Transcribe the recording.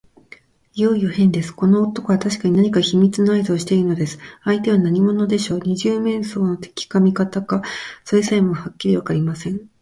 いよいよへんです。この男はたしかに何か秘密のあいずをしているのです。相手は何者でしょう。二十面相の敵か味方か、それさえもはっきりわかりません。